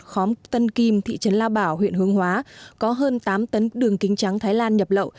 khóm tân kim thị trấn lao bảo huyện hương hóa có hơn tám tấn đường kính trắng thái lan nhập lậu